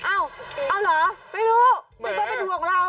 อ้าวอ้าวเหรอไม่รู้มันก็เป็นห่วงเรา